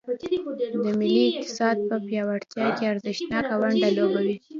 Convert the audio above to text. د ملي اقتصاد په پیاوړتیا کې ارزښتناکه ونډه لوبوي.